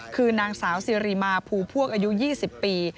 คือนางสาวซีรีมาภูพวกอายุ๒๐ปี